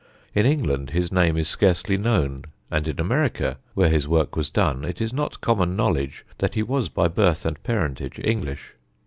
In England his name is scarcely known; and in America, where his work was done, it is not common knowledge that he was by birth and parentage English.